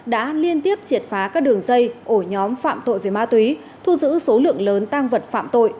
đã liên tiếp triệt phá các đường dây ổ nhóm phạm tội về ma túy thu giữ số lượng lớn tăng vật phạm tội